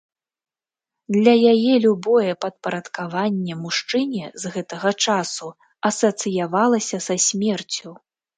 Для яе любое падпарадкаванне мужчыне з гэтага часу асацыявалася са смерцю.